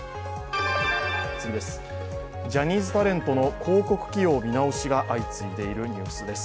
ジャニーズタレントの広告起用見直しが相次いでいるニュースです。